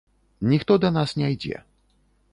Ніхто да нас не ідзе.